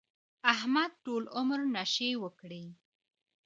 احمد ټول عمر نشې وکړې.